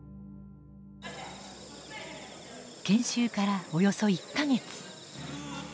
研修からおよそ１か月。